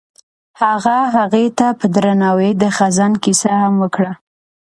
هغه هغې ته په درناوي د خزان کیسه هم وکړه.